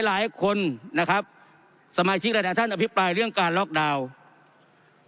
หลายคนนะครับสมาชิกหลายท่านอภิปรายเรื่องการล็อกดาวน์